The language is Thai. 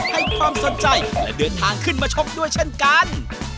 ให้ความสนใจและเดินทางขึ้นมาชกด้วยเช่นกัน